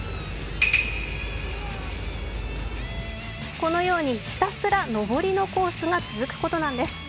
このように、ひたすら上りのコースが続くことなんです。